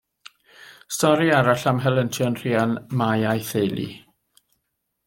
Stori arall am helyntion Rhian Mai a'i theulu.